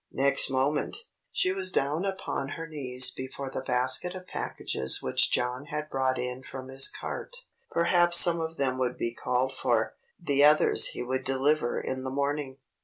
Next moment, she was down upon her knees before the basket of packages which John had brought in from his cart. Perhaps some of them would be called for; the others he would deliver in the morning.